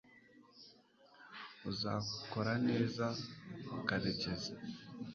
uzakora neza, karekezi